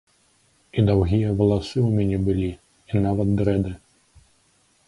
І даўгія валасы ў мяне былі, і нават дрэды.